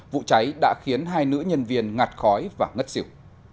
vụ cháy đã khiến hai nữ nhân viên ngạt khói và ngất xỉu